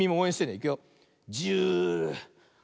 いくよ。